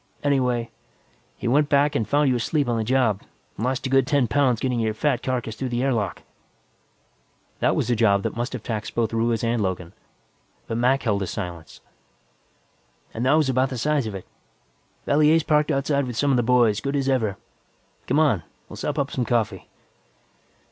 Anyway, he went back and found you asleep on the job, and lost a good ten pounds getting your fat carcass through the air lock." That was a job that must have taxed both Ruiz and Logan, but Mac held his silence. "And that was about the size of it. Valier's parked outside with some of the boys, good as ever. Come on, we'll sop up some coffee."